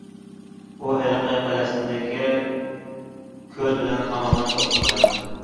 ئۇ ھېلىقى پەلەستىندىكى كۆل بىلەن تامامەن ئوخشىمايدۇ.